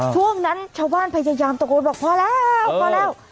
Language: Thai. ช่วงนั้นชาวบ้านพยายามตะโกนบอกพอแล้วพอแล้ว